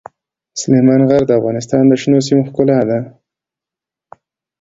سلیمان غر د افغانستان د شنو سیمو ښکلا ده.